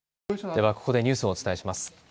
ではここでニュースをお伝えします。